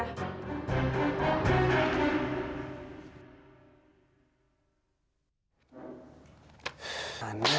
nah ini udah lama banget dhanane